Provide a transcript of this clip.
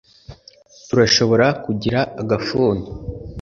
Turashobora kugira agafuni